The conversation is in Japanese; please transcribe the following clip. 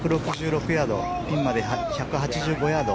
ヤードピンまで１８５ヤード。